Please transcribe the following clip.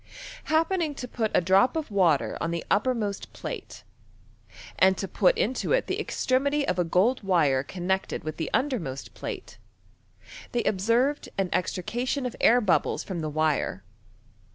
Hap pening to put a drop of water on the uppermost plate, and to put into it the extremity of a gold wire connected with the undermost plate, they observed a& extrication of air bubbles from the wire.